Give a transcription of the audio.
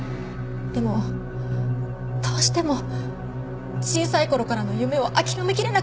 でもどうしても小さい頃からの夢を諦めきれなかったんです。